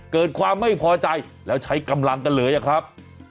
เกิดความไม่พอใจแล้วใช้กำลังกันเลยอะครับ